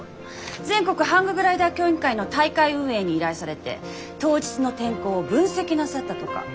全国ハンググライダー競技会の大会運営に依頼されて当日の天候を分析なさったとか。